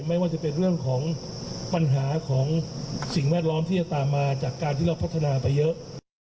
แล้วก็กลับมาดูของปัญหาของสิ่งแวดล้อมที่จะตามมาจากการที่เราพัฒนาไปเยอะ